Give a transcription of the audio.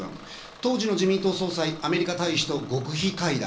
当時の自民党総裁、アメリカ大使と極秘会談。